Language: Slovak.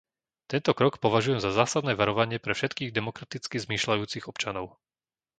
Tento krok považujem za zásadné varovanie pre všetkých demokraticky zmýšľajúcich občanov.